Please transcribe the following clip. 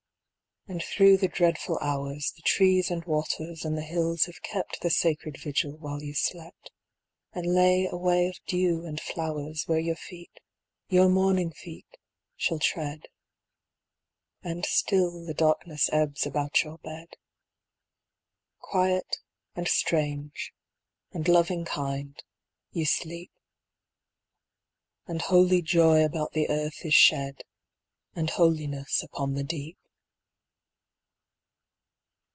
And through the dreadful hours The trees and waters and the hills have kept The sacred vigil while you slept, And lay a way of dew and flowers Where your feet, your morning feet, shall tread. And still the darkness ebbs about your bed. Quiet, and strange, and loving kind, you sleep. And holy joy about the earth is shed; And holiness upon the deep.